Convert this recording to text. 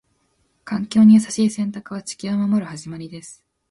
環境に優しい選択は、地球を守る始まりです。